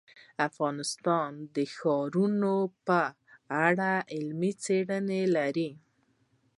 افغانستان د ښارونو په اړه علمي څېړنې لري.